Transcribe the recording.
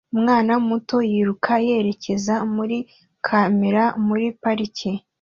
Umwana muto yiruka yerekeza kuri kamera muri parike